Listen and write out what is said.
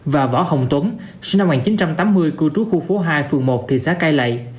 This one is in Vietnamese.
và võ hồng tuấn sinh năm một nghìn chín trăm tám mươi cư trú khu phố hai phường một thị xã cai lậy